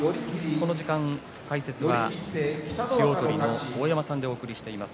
この時間解説は千代鳳の大山さんでお送りしています。